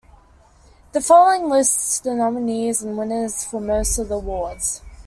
The following lists the nominees and winners for most of the awards.